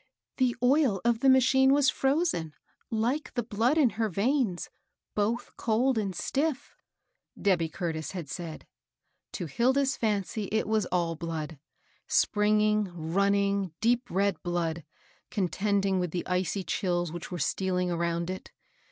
" The oil of the machine was fro25en, like the blood in her veins, both cold and stiff," Debby Curtis had said. To Hilda's fancy it was all blood, — springing, running, deep red blood, contending with the icy chills which were stealing around it.